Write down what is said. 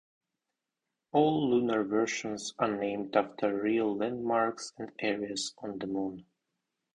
All Lunar versions are named after real landmarks and areas on the moon.